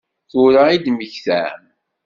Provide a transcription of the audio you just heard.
Tura i d-temmektam?